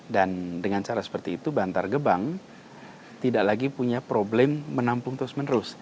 dan dengan cara seperti itu bantar kebang tidak lagi punya problem menampung terus menerus